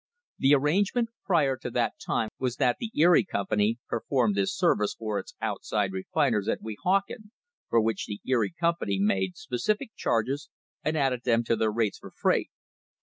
The arrangement prior to that time was that the Erie Company performed this ser vice for its outside refiners at Weehawken, for which the Eri< Company made specific charges and added them to their rates for freight.